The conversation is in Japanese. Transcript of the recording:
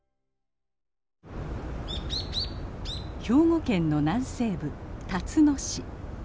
兵庫県の南西部たつの市。